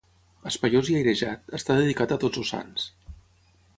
Espaiós i airejat, està dedicat a Tots els Sants.